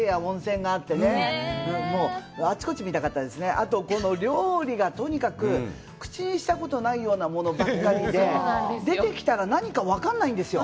あとこの料理がとにかく口にしたことないようなものばっかりで出てきたら何か分かんないんですよ